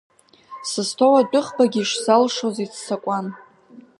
Сызҭоу адәыӷбагьы ишзалшоз иццакуан.